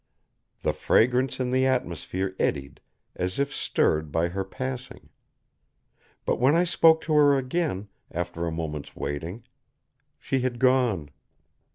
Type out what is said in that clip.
The fragrance in the atmosphere eddied as if stirred by her passing. But when I spoke to her again, after a moment's waiting, she had gone.